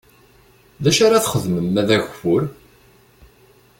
D acu ara txedmem ma d ageffur?